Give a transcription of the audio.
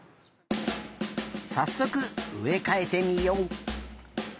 さっそくうえかえてみよう。